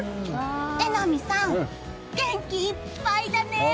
榎並さん、元気いっぱいだね。